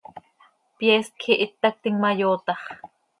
Pyeest quij ihít tactim ma, yootax.